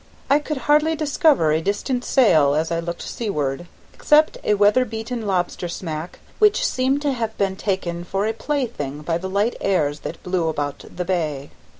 I could hardly discover a distant sail as I looked seaward, except a weather beaten lobster smack, which seemed to have been taken for a plaything by the light airs that blew about the bay.